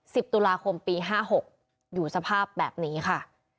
สิบตุลาคมปีห้าหกอยู่สภาพแบบนี้ค่ะ